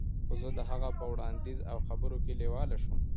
خو زه د هغه په وړاندیز او خبرو کې لیواله شوم